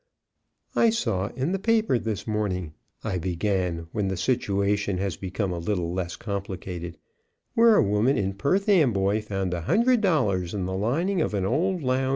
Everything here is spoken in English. "I saw in the paper this morning," I began when the situation has become a little less complicated, "where a woman in Perth Amboy found a hundred dollars in the lining of an old lounge in " [Illustration: "'Here, here!'